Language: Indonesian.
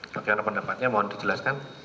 bagaimana pendapatnya mohon dijelaskan